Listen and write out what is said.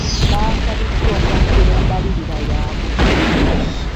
Baasabiddwa okwanjula embalirira yaabwe.